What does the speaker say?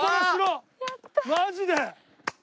マジで！